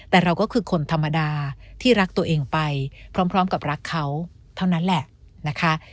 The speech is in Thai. แต่เราก็คือคนธรรมดาที่รักตัวเองไปพร้อมกับรักเขาเท่านั้นแหละนะคะ